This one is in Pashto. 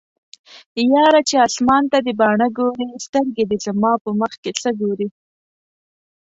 یاره چې اسمان ته دې باڼه ګوري سترګې دې زما په مخکې څه ګوري